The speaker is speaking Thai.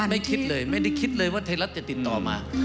ไม่คิดเลยไม่ได้คิดเลยว่าไทยรัฐจะติดต่อมา